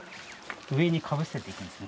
上にかぶせていきます